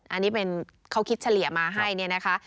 อันนี้เป็นเขาคิดเฉลี่ยมาให้เนี่ยนะคะ